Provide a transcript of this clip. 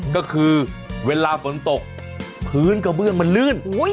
ก็คือเวลาฝนตกพื้นกระเบื้องมันลื่น